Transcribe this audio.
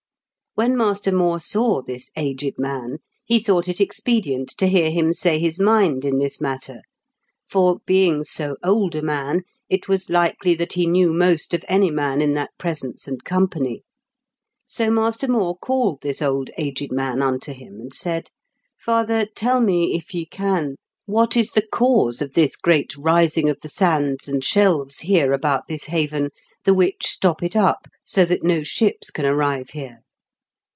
When Master More saw this aged man, he thought it ex pedient to hear him say his mind in this matter, for, being so old a man, it was likely that he knew most of any man in that presence and company. So Master More called tibis old aged man unto him, and said, ' Father, tell me, if ye can, what is the cause of this great riaing p 2 212 IN KENT WITH CHABLE8 DICKENS. of the sands and shelves here about this haven, the which stop it up, so that no ships can arrive here